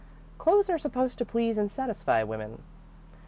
Clothes are supposed to please and satisfy women.